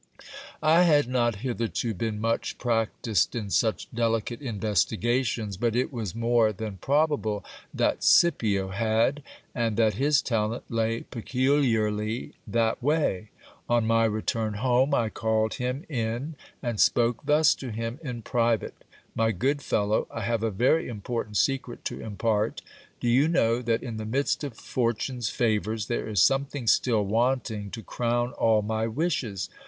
I had not hitherto been much practised in such delicate investigations, but it was more than probable that Scipio had, and that his talent lay peculiarly that way. On my return home I called him in, and spoke thus to him in private : My good fellow, I have a very important secret to impart. Do you know that in the midst of fortune's favours, there is something still wanting to crown all my wishes